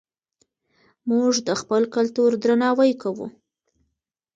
موږ د خپل کلتور درناوی کوو.